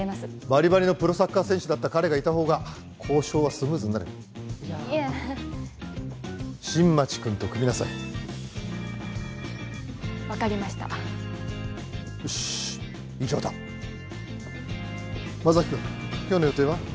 バリバリのプロサッカー選手だった彼がいた方が交渉はスムーズになるいやああのいや新町くんと組みなさい分かりましたよしっ以上だ真崎くん今日の予定は？